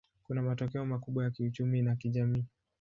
Kuna matokeo makubwa ya kiuchumi na kijamii.